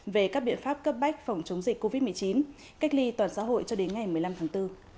về các biện pháp cấp bách phòng chống dịch covid một mươi chín cách ly toàn xã hội cho đến ngày một mươi năm tháng bốn